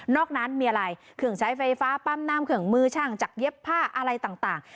อกนั้นมีอะไรเครื่องใช้ไฟฟ้าปั๊มน้ำเครื่องมือช่างจากเย็บผ้าอะไรต่าง